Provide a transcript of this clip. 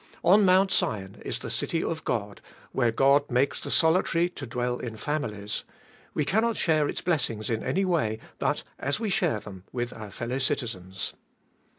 On Mount Sion is the city of God, where God makes the solitary to dwell in families : we cannot share its blessings in any way but as we share them with our fellow citizens.